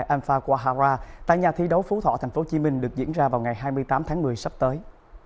hai nghìn hai mươi hai anpha quahara tại nhà thí đấu phú thọ tp hcm được diễn ra vào ngày hai mươi tám tháng một mươi sắp tới